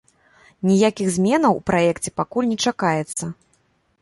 Ніякіх зменаў у праекце пакуль не чакаецца.